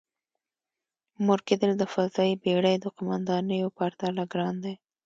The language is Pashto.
مور کېدل د فضايي بېړۍ د قوماندانېدو پرتله ګران دی.